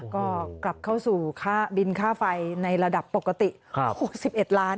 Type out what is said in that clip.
ก็กลับเข้าสู่ค่าบินค่าไฟในระดับปกติ๖๑ล้าน